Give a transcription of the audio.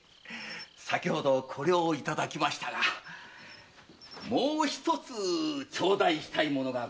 先程これを頂きましたがもう一つ頂戴したいものがございまして。